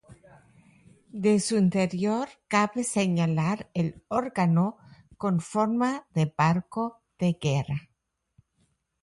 De su interior, cabe señalar el órgano con forma de barco de guerra.